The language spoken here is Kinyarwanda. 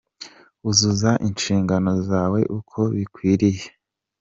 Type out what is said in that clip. " Uzuza inshingano zawe uko bikwiriye.